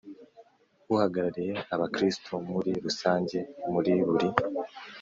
Uhagarariye abakristo muri rusange muri buri